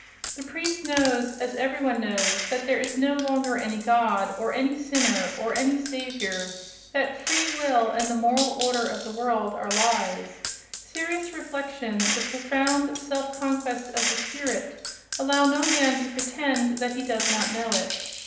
The priest knows, as every one knows, that there is no longer any "God," or any "sinner," or any "Saviour"—that "free will" and the "moral order of the world" are lies—: serious reflection, the profound self conquest of the spirit, allow no man to pretend that he does not know it....